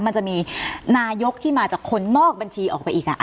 มันจะมีนายกที่มาจากคนนอกบัญชีออกไปอีก